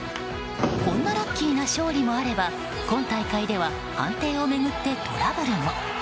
こんなラッキーな勝利もあれば今大会では判定を巡ってトラブルも。